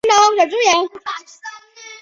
在公元八世纪由波罗王朝国王护法成立。